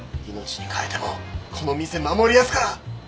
命に代えてもこの店守りやすから！